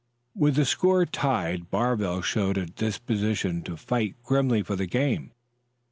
With the score tied, Barville showed a disposition to fight grimly for the game.